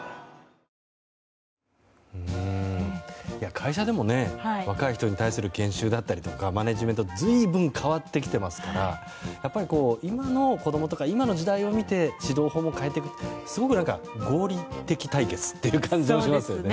会社でも若い人に対する研修だったりとかマネジメント随分変わってきてますからやっぱり今の子供とか今の時代を見て指導法も変えていくというすごく合理的解決な気がしますよね。